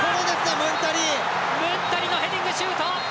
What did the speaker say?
ムンタリのヘディングシュート！